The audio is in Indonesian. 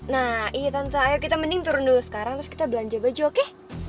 nah iya tante ayo kita mending turun dulu sekarang terus kita belanja baju oke